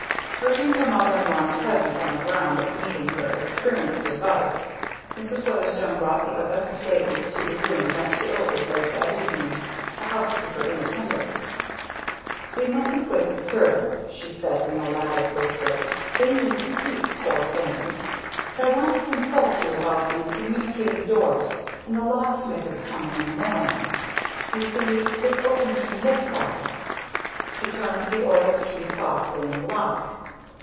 Urging her mother in law's presence on the ground of needing her experienced advice, Mrs. Weatherstone brought the august lady to the room next to Ilda's late that evening, the housekeeper in attendance. "We mustn't wake the servants," she said in an elaborate whisper. "They need sleep, poor things! But I want to consult you about these communicating doors and the locksmith is coming in the morning. you see this opens from this side." She turned the oiled key softly in the lock.